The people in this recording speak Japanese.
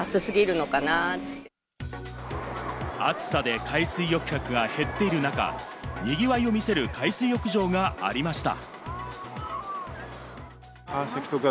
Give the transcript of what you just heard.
暑さで海水浴客が減っている中、賑わいを見せる海水浴場がありました。